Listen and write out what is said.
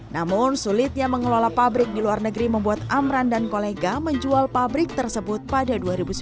namun sulitnya mengelola pabrik di luar negeri membuat amran dan kolega menjual pabrik tersebut pada dua ribu sembilan belas